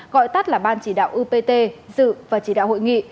gọi tắt là ban chỉ đạo upt dự và chỉ đạo hội nghị